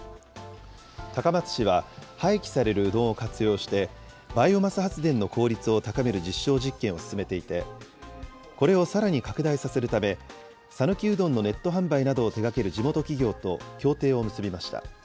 高松市は、廃棄されるうどんを活用して、バイオマス発電の効率を高める実証実験を進めていて、これをさらに拡大させるため、さぬきうどんのネット販売などを手がける地元企業と協定を結びました。